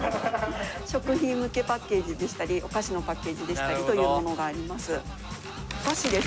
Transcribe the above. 食品向けパッケージでしたりお菓子のパッケージでしたりというものがあります。